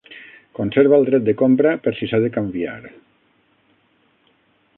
Conserva el dret de compra per si s'ha de canviar.